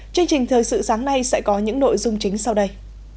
chương trình thời sự sáng nay sẽ có những nội dung chính sau đây